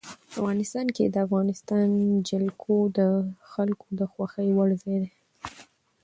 افغانستان کې د افغانستان جلکو د خلکو د خوښې وړ ځای دی.